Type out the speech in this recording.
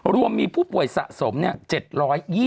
รวมมีผู้ป่วยสะสม๗๒๐